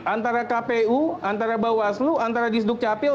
antara kpu antara bawaslu antara disduk capil